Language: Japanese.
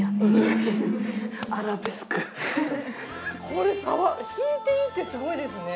これ、弾いていいってすごいですね。